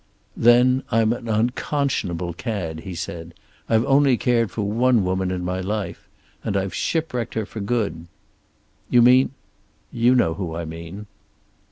"Then I'm an unconscionable cad," he said. "I've only cared for one woman in my life. And I've shipwrecked her for good." "You mean " "You know who I mean."